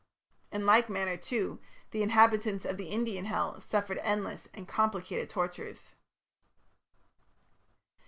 In like manner, too, the inhabitants of the Indian Hell suffered endless and complicated tortures.